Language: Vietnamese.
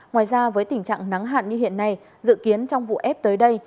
ngoài ra với tình trạng nắng hạn như hiện nay dự kiến trong vụ ép tới đây